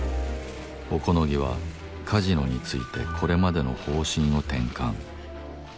小此木はカジノについてこれまでの方針を転換。